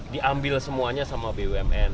diambil semuanya sama bumn